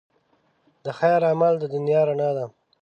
د خیر عمل د دنیا رڼا ده.